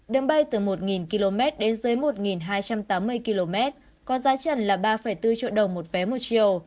đường bay từ một km đến dưới một hai trăm tám mươi km có giá trần là ba bốn triệu đồng một vé một chiều